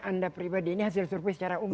anda pribadi ini hasil survei secara umum